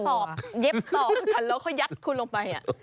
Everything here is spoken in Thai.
แล้วเขายัดคุณลงไป